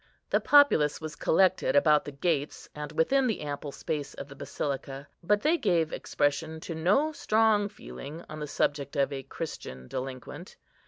The populace was collected about the gates and within the ample space of the Basilica, but they gave expression to no strong feeling on the subject of a Christian delinquent.